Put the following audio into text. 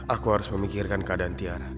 aku harus memikirkan keadaan tiara